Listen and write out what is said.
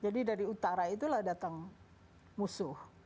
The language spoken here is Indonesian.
dari utara itulah datang musuh